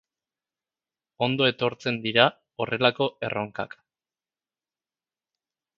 Ondo etortzen dira horrelako erronkak.